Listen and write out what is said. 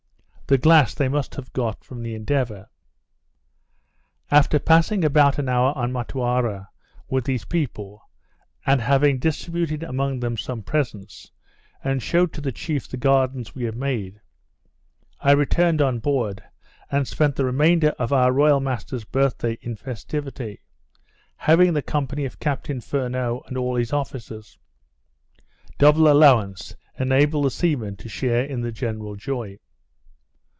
The glass they must have got from the Endeavour. After passing about an hour on Motuara with these people, and having distributed among them some presents, and shewed to the chief the gardens we had made, I returned on board, and spent the remainder of our royal master's birth day in festivity; having the company of Captain Furneaux and all his officers. Double allowance enabled the seamen to share in the general joy.